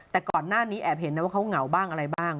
แต่ก่อนหน้านี้แอบเห็นนะว่าเขาเหงาบ้างอะไรบ้าง